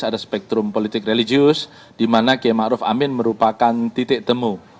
ada spektrum politik religius di mana qiyam ma'ruf amin merupakan titik temu